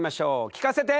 聞かせて！